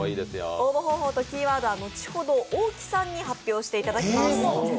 応募方法とキーワードは後ほど大木さんに発表していただきます。